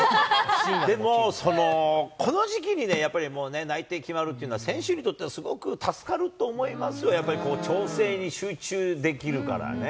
でも、この時期にね、やっぱり内定決まるっていうのは選手にとってはすごく助かると思いますよ、やっぱり、調整に集中できるからね。